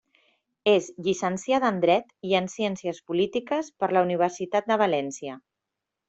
És llicenciada en dret i en ciències polítiques per la Universitat de València.